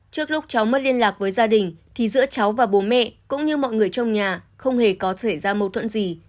trước lúc cháu mất liên lạc với gia đình thì giữa cháu và bố mẹ cũng như mọi người trong nhà không hề có xảy ra mâu thuẫn gì